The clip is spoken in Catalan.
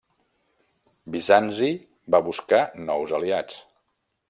Bizanci va buscar nous aliats.